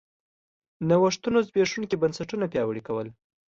نوښتونو زبېښونکي بنسټونه پیاوړي کول